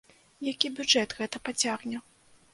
Які бюджэт гэта пацягне.